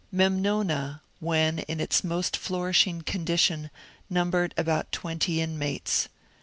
^^ Memnona," when in its most flourishing condition, num bered about twenty inmates.